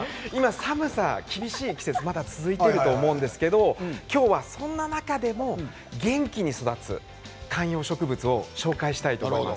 寒さが厳しい季節がまだ続いていますが、今日はそんな中でも元気に育つ観葉植物を紹介したいと思います。